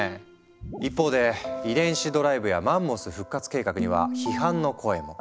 一方で遺伝子ドライブやマンモス復活計画には批判の声も。